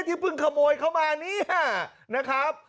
ที่เพิ่งขโมยเข้ามาเนี่ยนะครับ